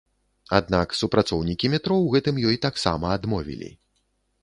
Аднак супрацоўнікі метро ў гэтым ёй таксама адмовілі.